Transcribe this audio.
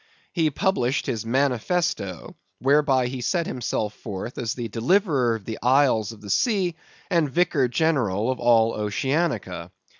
He published his manifesto, whereby he set himself forth as the deliverer of the isles of the sea and vicar general of all Oceanica.